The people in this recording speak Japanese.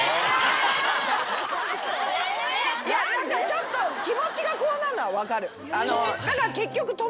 ちょっと気持ちがこうなるのは分かる。